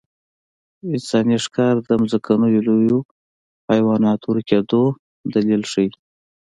انساني ښکار د ځمکنیو لویو حیواناتو ورکېدو دلیل ښيي.